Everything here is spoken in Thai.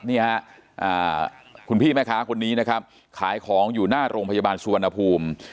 นี่ฮะคุณพี่แม่ค้าคนนี้นะครับขายของอยู่หน้าโรงพยาบาลสุวรรณภูมิ